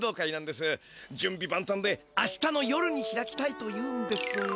じゅんびばんたんであしたの夜に開きたいというんですが。